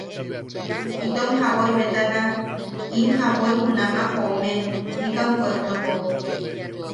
Itom jaboi betana... in jaboi junama joome Bikam puepplopo.